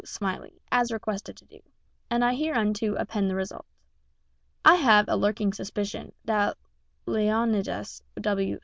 Smiley, as requested to do, and I hereunto append the result. I have a lurking suspicion that Leonidas W.